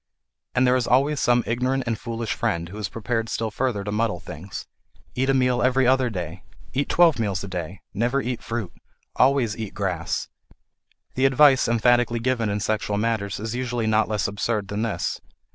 And there is always some ignorant and foolish friend who is prepared still further to muddle things: Eat a meal every other day! Eat twelve meals a day! Never eat fruit! Always eat grass! The advice emphatically given in sexual matters is usually not less absurd than this.